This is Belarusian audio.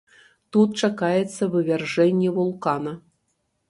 Тут чакаецца вывяржэнне вулкана.